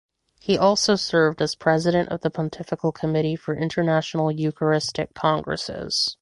He also served as President of the Pontifical Committee for International Eucharistic Congresses.